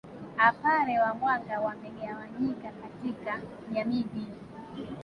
apare wa Mwanga wamegawanyika katika jamii mbili